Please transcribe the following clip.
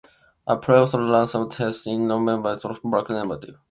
A previous random test in November also came back negative.